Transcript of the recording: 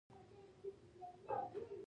د خدای تجسیم ته قایل شوي دي.